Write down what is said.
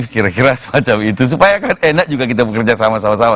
kira kira semacam itu supaya kan enak juga kita bekerja sama sama